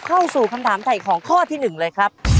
เข้าสู่คำถามถ่ายของข้อที่๑เลยครับ